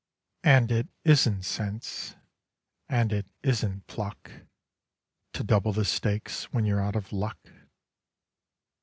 (And it isn't sense, and it isn't pluck, To double the stakes when you're out of luck!)